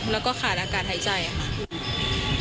แล้วก็ขาดอากาศหายใจค่ะ